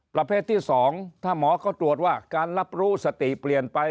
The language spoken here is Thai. ประเภทที่๒ถ้าหมอเขาตรวจว่าการรับรู้สติเปลี่ยนไป